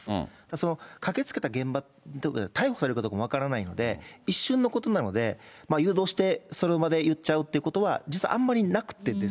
その駆けつけた現場、逮捕されたところも分からないので、一瞬のことなので、誘導して、それまでいっちゃうということは、実はあんまりなくて、